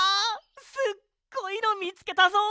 すっごいのみつけたぞ！